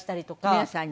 皆さんに？